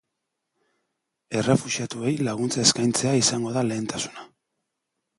Errefuxiatuei laguntza eskaintzea izango da lehentasuna.